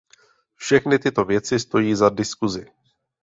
Všechny tyto věci stojí za diskusi.